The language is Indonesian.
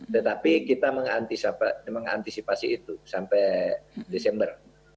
tetapi kita mengantisipasi itu sampai desember